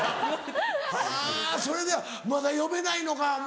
はぁそれでまだ呼べないのか。